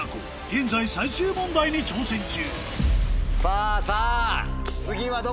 現在最終問題に挑戦中さぁさぁ！